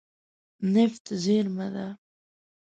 نفت زیرمه ده.